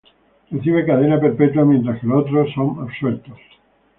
Recibe cadena perpetua, mientras que los otros son absueltos.